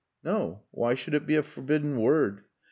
"No. Why should it be a forbidden word?"